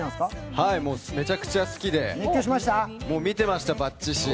はい、めちゃくちゃ好きで見てました、バッチシ。